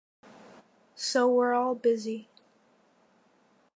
So we're all busy.